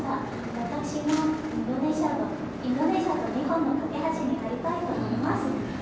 私もインドネシアと日本の懸け橋になりたいと思います。